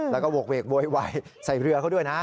แล้วก็โหกเวกโวยวายใส่เรือเขาด้วยนะ